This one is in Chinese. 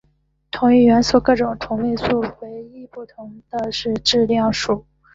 同一元素各种同位素唯一不同的是质量数。